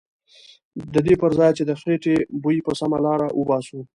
ددې پرځای چې د خیټې بوی په سمه لاره وباسو.